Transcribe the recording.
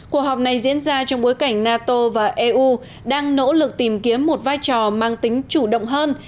cuộc họp này diễn ra trong bối cảnh nato và eu đang nỗ lực tìm kiếm một vai trò mang tính chủ động hơn